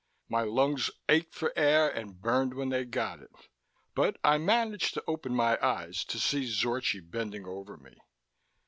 My lungs ached for air and burned when they got it. But I managed to open my eyes to see Zorchi bending over me.